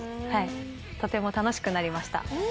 とても楽しくなりました。